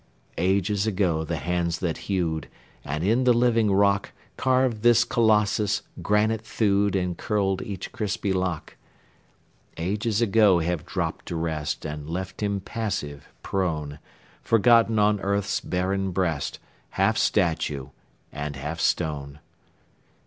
Ages ago the hands that hewed, And in the living rock Carved this Colossus, granite thewed And curled each crispy lock: Ages ago have dropped to rest And left him passive, prone, Forgotten on earth's barren breast, Half statue and half stone.